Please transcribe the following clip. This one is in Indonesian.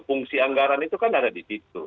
fungsi anggaran itu kan ada di situ